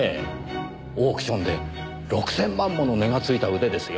オークションで６０００万もの値がついた腕ですよ。